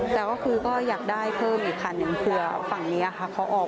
แต่ก็คือก็อยากได้เพิ่มอีกคันหนึ่งเผื่อฝั่งนี้ค่ะเขาออก